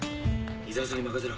井沢さんに任せろ。